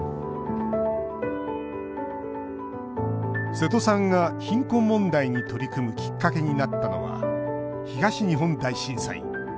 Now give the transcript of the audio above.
瀬戸さんが貧困問題に取り組むきっかけになったのは東日本大震災。